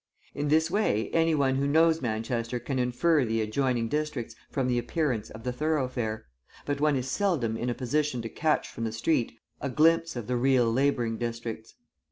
In this way any one who knows Manchester can infer the adjoining districts, from the appearance of the thoroughfare, but one is seldom in a position to catch from the street a glimpse of the real labouring districts.